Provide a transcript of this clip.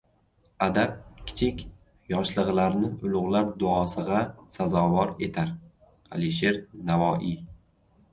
Adab kichik yoshlig‘larni ulug‘lar duosig‘a sazovor etar. Alisher Navoiy